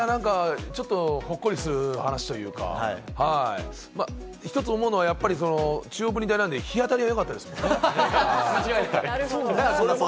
ちょっとほっこりする話というか、１つ思うのは、やっぱり中央分離帯なんで、日当たりが良かったんですね。